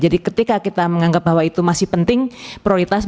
jadi ketika kita menganggap bahwa itu masih penting prioritas